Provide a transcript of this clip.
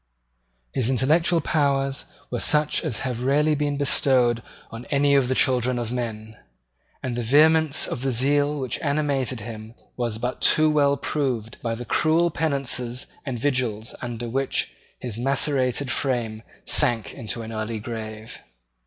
His intellectual powers were such as have rarely been bestowed on any of the children of men; and the vehemence of the zeal which animated him was but too well proved by the cruel penances and vigils under which his macerated frame sank into an early grave.